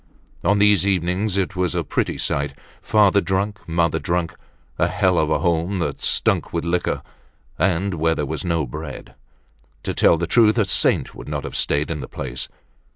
On these evenings it was a pretty sight. Father drunk, mother drunk, a hell of a home that stunk with liquor, and where there was no bread. To tell the truth, a saint would not have stayed in the place.